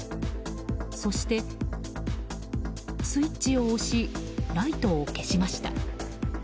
そして、スイッチを押しライトを消しました。